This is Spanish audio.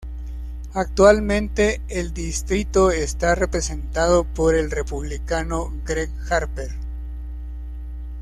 Actualmente el distrito está representado por el Republicano Gregg Harper.